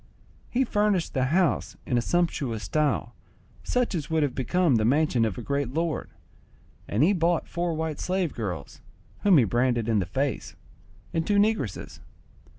He furnished the house in a sumptuous style, such as would have become the mansion of a great lord; and he bought four white slave girls, whom he branded in the face, and two negresses.